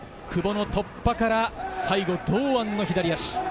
久保の突破から最後は堂安の左足。